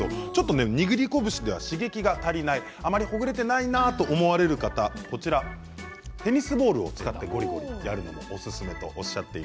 握り拳では刺激が足りないあまり、ほぐれていないと思われる方はテニスボールを使ってゴリゴリやるのがおすすめだそうです。